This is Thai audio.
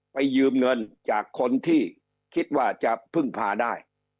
ยืมเงินจากคนที่คิดว่าจะพึ่งพาได้